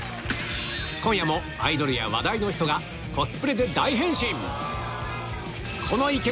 今夜もアイドルや話題の人がコスプレで大変身